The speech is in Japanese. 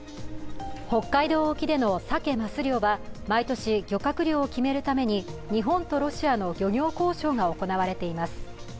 北海道沖でのサケ・マス漁は毎年漁獲量を決めるために日本とロシアの漁業交渉が行われています。